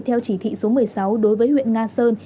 theo chỉ thị số một mươi sáu đối với huyện nga sơn